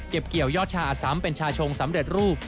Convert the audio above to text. เก็บเกี่ยวยอดชาอัดซ้ำเป็นชาชงสำเร็จรูป